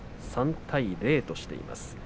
３対０としています。